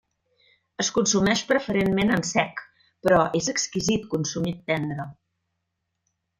Es consumeix preferentment en sec, però és exquisit consumit tendre.